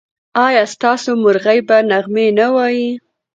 ایا ستاسو مرغۍ به نغمې نه وايي؟